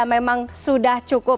memang sudah cukup